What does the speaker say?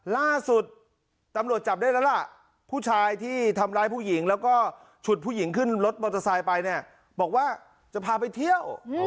ล่าสุดตำรวจจับได้แล้วล่ะผู้ชายที่ทำร้ายผู้หญิงแล้วก็ฉุดผู้หญิงขึ้นรถมอเตอร์ไซค์ไปเนี่ยบอกว่าจะพาไปเที่ยว